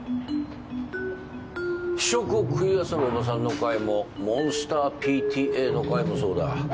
試食を食いあさるおばさんの回もモンスターＰＴＡの回もそうだ。